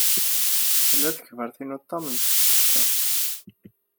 Tla tekbert inu tam n tkecca.